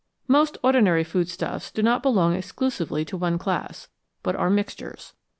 Most ordinary food stuffs do not belong exclusively to one class, but are mixtures.